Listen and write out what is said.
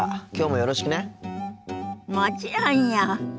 もちろんよ。